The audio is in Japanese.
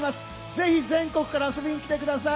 ぜひ全国から遊びに来てください。